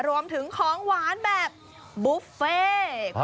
รวมถึงของหวานแบบบุฟเฟ่